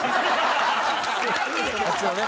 あっちのね。